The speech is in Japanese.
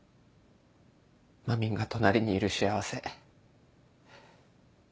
まみんが隣にいる幸せ。